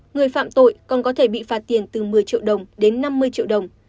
người phạm tội còn có thể bị phạt tiền từ một mươi triệu đồng đến năm mươi triệu đồng